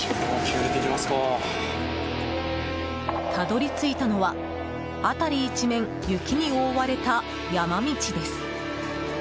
たどり着いたのは辺り一面、雪に覆われた山道です。